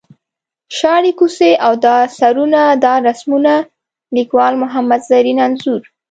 شاړې کوڅې او دا سرونه دا رسمونه ـ لیکوال محمد زرین انځور.